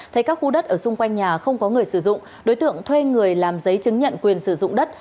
thấy các khu đất ở xung quanh nhà không có người sử dụng đối tượng thuê người làm giấy chứng nhận quyền sử dụng đất